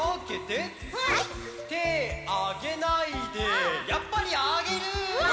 てあげないでやっぱりあげる！わ！